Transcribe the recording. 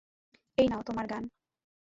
এই নাও তোমার গান।